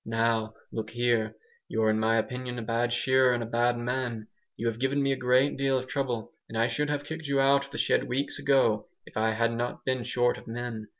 "Now look here! You're in my opinion a bad shearer and a bad man. You have given me a great deal of trouble, and I should have kicked you out of the shed weeks ago if I had not been short of men.